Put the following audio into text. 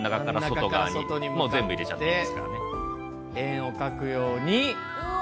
円を描くように。